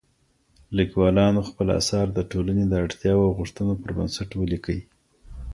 ليکوالانو خپل اثار د ټولني د اړتياوو او غوښتنو پر بنسټ وليکئ.